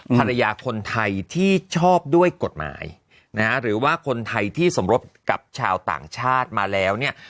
ภรรยาคนไทยที่ชอบด้วยกฎหมายนะฮะหรือว่าคนไทยที่สมรสกับชาวต่างชาติมาแล้วเนี่ย